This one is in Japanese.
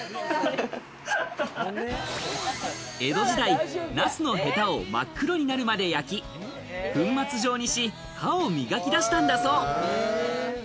江戸時代、なすのへたを真っ黒になるまで焼き、粉末状にし、歯を磨き出したんだそう。